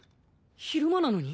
昼間なのに？